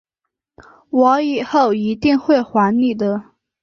我以后一定会还你的